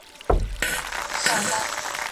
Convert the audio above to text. ایا ته اوبه څښې!.